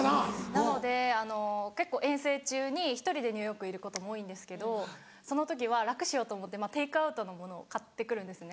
なので結構遠征中に１人でニューヨークいることも多いんですけどその時は楽しようと思ってテイクアウトのものを買ってくるんですね。